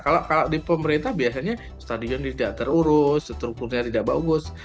kalau di pemerintah biasanya stadion tidak terurus